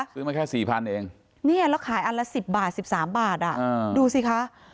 ซื้อมาแค่๔๐๐เองเนี่ยแล้วขายอันละ๑๐บาท๑๓บาทดูสิคะ